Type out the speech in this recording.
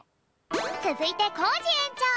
つづいてコージえんちょう。